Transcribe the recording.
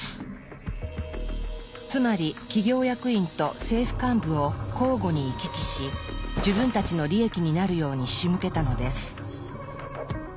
つまり企業役員と政府幹部を交互に行き来し自分たちの利益になるようにしむけたのです。